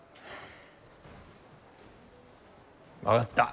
分かった。